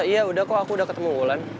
iya udah kok aku udah ketemu unggulan